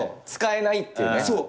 使えないっていうね。